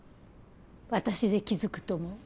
私で気付くと思う。